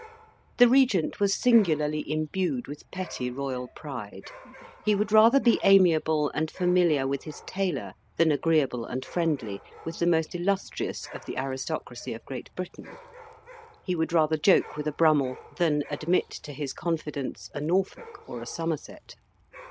The Regent was singularly imbued with petty royal pride. He would rather be amiable and familiar with his tailor than agreeable and friendly with the most illustrious of the aristocracy of Great Britain; he would rather joke with a Brummell than admit to his confidence a Norfolk or a Somerset.